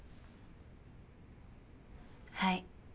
はい。